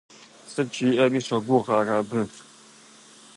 Сыт жиӏэми щогугъ ар абы.